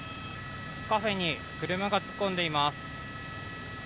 カフェに車が突っ込んでいます。